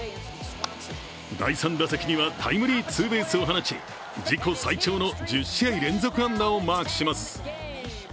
第３打席にはタイムリーツーベースを放ち自己最長の１０試合連続安打をマークします。